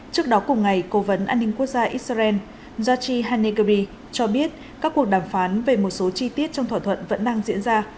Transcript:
trước đó cùng ngày cố vấn an ninh quốc gia israel yachi hanekobi cho biết các cuộc đàm phán về một số chi tiết trong thỏa thuận vẫn đang diễn ra